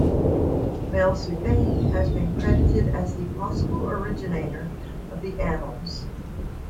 Maelsuthain has been credited as the possible originator of the "Annals".